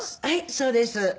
はいそうです。